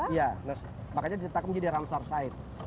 iya makanya ditetapkan menjadi ramsar said